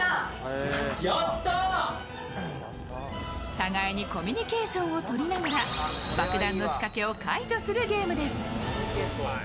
互いにコミュニケーションをとりながら爆弾の仕掛けを解除するゲームです。